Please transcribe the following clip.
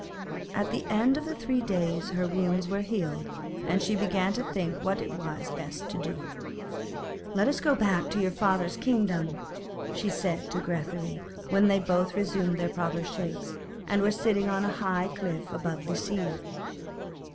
At the end of the three days her wounds were healed, and she began to think what it was best to do. 'Let us go back to your father's kingdom,' she said to Grethari, when they had both resumed their proper shapes, and were sitting on a high cliff above the sea.